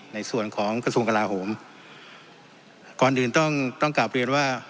ในส่วนของกระทรวงกลาโหมก่อนอื่นต้องต้องกลับเรียนว่า